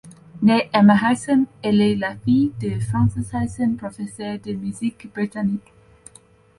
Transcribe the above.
Née Emma Howson, elle est la fille de Francis Howson, professeur de musique britannique.